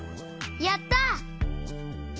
やった！